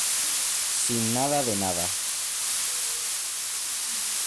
sin nada de nada.